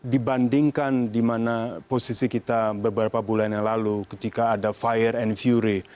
dibandingkan di mana posisi kita beberapa bulan yang lalu ketika ada fire and fury